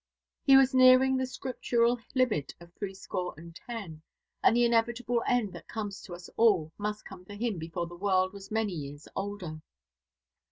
He was nearing the scriptural limit of threescore and ten, and the inevitable end that comes to us all must come to him before the world was many years older.